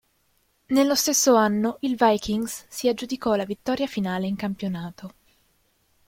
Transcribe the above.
Nello stesso anno, il Viking si aggiudicò la vittoria finale in campionato.